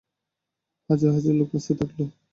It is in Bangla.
হাজার হাজার লোক আসতে থাকল।